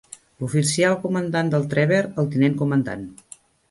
L'oficial comandant del "Trever", el tinent comandant.